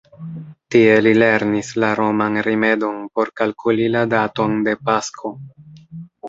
Tie li lernis la roman rimedon por kalkuli la daton de Pasko.